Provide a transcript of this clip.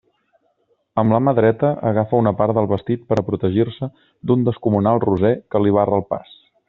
Amb la mà dreta agafa una part del vestit per a protegir-se d'un descomunal roser que li barra el pas.